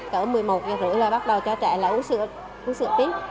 cỡ một mươi một giờ rưỡi là bắt đầu cho trẻ uống sữa tiếp